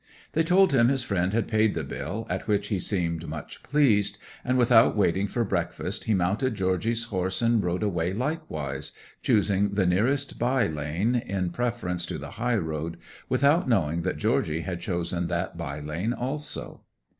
They told him his friend had paid the bill, at which he seemed much pleased, and without waiting for breakfast he mounted Georgy's horse and rode away likewise, choosing the nearest by lane in preference to the high road, without knowing that Georgy had chosen that by lane also.